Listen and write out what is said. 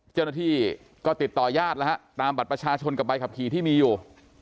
เจ้าหน้าที่ก็ติดต่อญาติแล้วฮะตามบัตรประชาชนกับใบขับขี่ที่มีอยู่